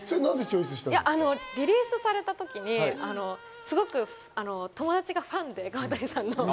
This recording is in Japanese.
リリースされた時に友達がファンで、川谷さんの。